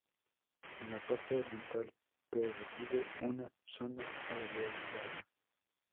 En la parte oriental pervive una zona arbolada.